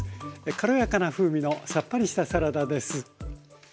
軽やかな風味のさっぱりしたサラダです。